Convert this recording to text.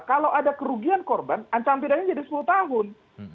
kalau ada kerugian korban ancaman pidananya jadi sepuluh tahun